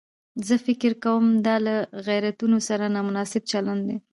زه فکر کوم دا له غیرتونو سره نامناسب چلن دی.